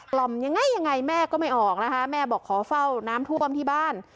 ล่อมยังไงยังไงแม่ก็ไม่ออกนะคะแม่บอกขอเฝ้าน้ำท่วมที่บ้าน